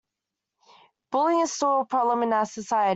Bullying is still a problem in our society.